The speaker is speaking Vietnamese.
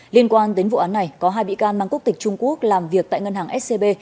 liên quan đến vụ án này có hai bị can mang quốc tịch trung quốc làm việc tại ngân hàng scb